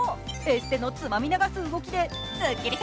エステのつまみ流す動きですっきり